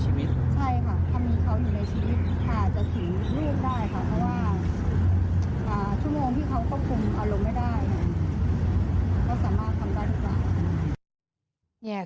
เขาสามารถทำได้ด้วยค่ะ